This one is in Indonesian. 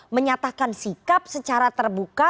menyatakan sikap secara terbuka